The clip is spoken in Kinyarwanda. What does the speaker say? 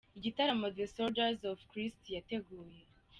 Igitaramo The Soldiers of Christ yateguye.